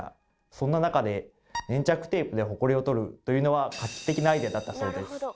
そんな中で粘着テープでホコリを取るというのは画期的なアイデアだったそうです。